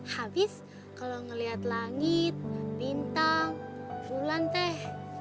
habis kalau ngeliat langit bintang bulan teh